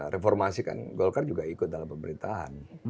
reformasi kan golkar juga ikut dalam pemerintahan